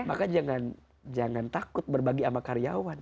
maka jangan takut berbagi sama karyawan